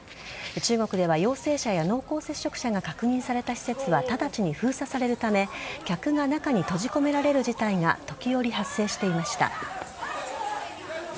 中国では陽性者や濃厚接触者が確認された施設は直ちに封鎖されるため客が中に閉じ込められる事態が時折、発生していました。